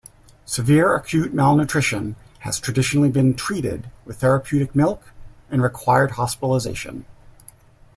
Severe acute malnutrition has traditionally been treated with therapeutic milk and required hospitalization.